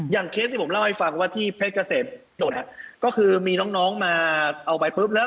เคสที่ผมเล่าให้ฟังว่าที่เพชรเกษมจดก็คือมีน้องมาเอาไปปุ๊บแล้ว